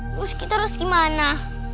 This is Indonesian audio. terus kita harus gimana